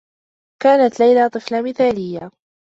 كانت ليلى طفلة مثاليّة.